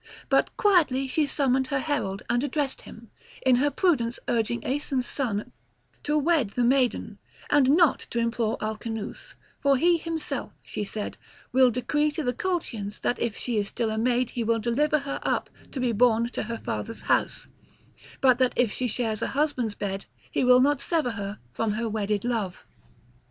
But quietly she summoned her herald and addressed him, in her prudence urging Aeson's son to wed the maiden, and not to implore Alcinous; for he himself, she said, will decree to the Colchians that if she is still a maid he will deliver her up to be borne to her father's house, but that if she shares a husband's bed he will not sever her from wedded love.